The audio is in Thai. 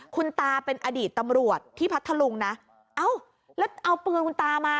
คุณตาเป็นอดีตตำรวจที่พัทธลุงนะเอ้าแล้วเอาปืนคุณตามา